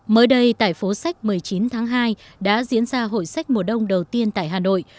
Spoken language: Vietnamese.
mới đây tại phố sách một mươi chín tháng hai đã diễn ra hội sách mùa đông đầu tiên tại hà nội